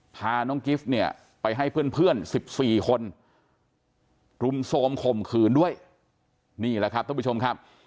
พาน้องกิฟต์เนี่ยไปให้เพื่อน๑๔คนรุมโทรมข่มขืนด้วยนี่แหละครับท่านผู้ชมครับ